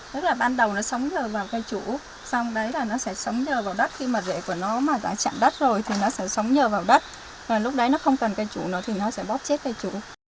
tức là ban đầu nó sống nhờ vào cây chủ xong đấy là nó sẽ sống nhờ vào đất khi mà rễ của nó mà giã chạm đất rồi thì nó sẽ sống nhờ vào đất và lúc đấy nó không cần cây chủ nữa thì nó sẽ bóp chết cây chủ